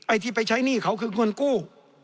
ที่ไปใช้หนี้เขาคือเงินกู้